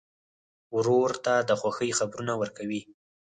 ورور ته د خوښۍ خبرونه ورکوې.